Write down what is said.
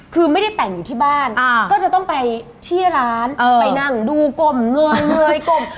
คือไม่ได้แต่งอยู่ที่บ้านก็จะต้องไปที่ร้านไปนั่งดูกลมเงยม